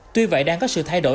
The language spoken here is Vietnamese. tuy vậy đang có sự thay đổi